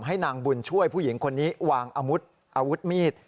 ให้นางบุญช่วยผู้หญิงคนนี้วางอาวุธอาวุธมีด